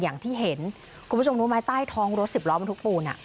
อย่างที่เห็นคุณผู้ชมรู้ไหมใต้ท้องรถสิบล้อบรรทุกปูน